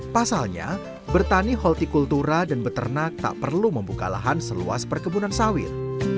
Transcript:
pasalnya bertani holti kultura dan beternak tak perlu membuka lahan seluas perkebunan sawit